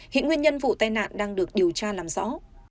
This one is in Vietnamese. hiện nguyên nhân vụ tai nạn đang được điều tra làm rõ